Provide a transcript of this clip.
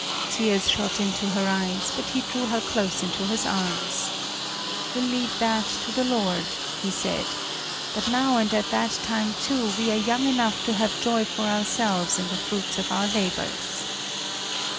Tears shot into her eyes; but he drew her close into his arms. "We'll leave that to the Lord," he said; "but now and at that time too, we are young enough to have joy for ourselves in the fruits of our labors."